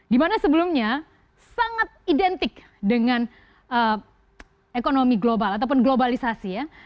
dimana sebelumnya sangat identik dengan ekonomi global ataupun globalisasi ya